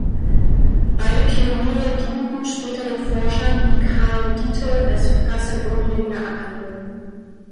Beide Pioniere dienten späteren Forschern, wie Karl Dietel, als Verfasser grundlegender Abhandlungen.